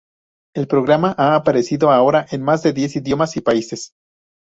El programa ha aparecido ahora en más de diez idiomas y países.